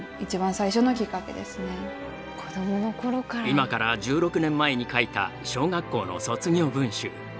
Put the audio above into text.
今から１６年前に書いた小学校の卒業文集。